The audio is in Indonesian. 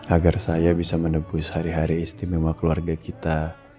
agar saya bisa menembus hari hari istimewa keluarga kita